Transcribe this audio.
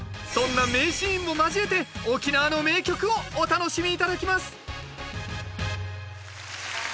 そんな名シーンも交えて沖縄の名曲をお楽しみ頂きます